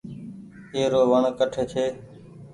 اي رو وڻ ڪٺي ڇي۔